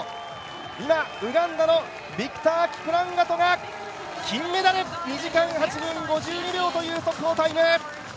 今、ウガンダのビクター・キプランガトが金メダル！２時間８分５２秒という速報タイム！